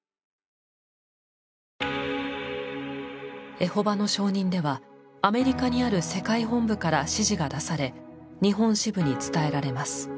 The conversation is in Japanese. エホバの証人ではアメリカにある世界本部から指示が出され日本支部に伝えられます。